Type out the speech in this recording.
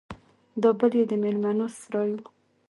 دا بل يې د ميلمنو سراى و.